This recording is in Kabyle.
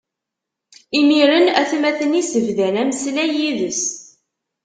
Imiren atmaten-is bdan ameslay yid-s.